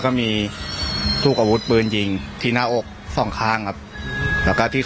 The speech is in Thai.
คือน้องท่าพาเนี่ย